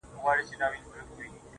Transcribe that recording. • چاته د دار خبري ډيري ښې دي.